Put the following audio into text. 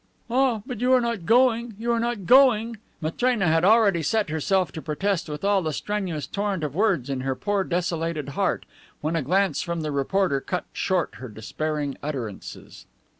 "Ah, but you are not going? You are not going!" Matrena had already set herself to protest with all the strenuous torrent of words in her poor desolated heart, when a glance from the reporter cut short her despairing utterances.